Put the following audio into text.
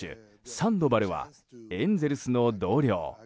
サンドバルはエンゼルスの同僚。